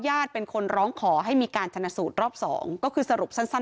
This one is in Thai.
เป็นคนร้องขอให้มีการชนะสูตรรอบสองก็คือสรุปสั้นสั้น